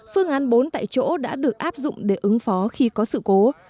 phương án bốn tại chỗ đã được áp dụng để ứng phó khi có sự cố